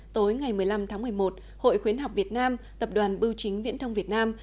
tối ngày một mươi năm tháng một mươi một hội khuyến học việt nam tập đoàn bưu chính viễn thông việt nam